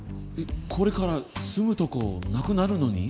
これから住むとこなくなるのに？